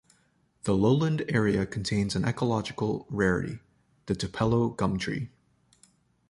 The lowland area contains an ecological rarity: the tupelo gum tree.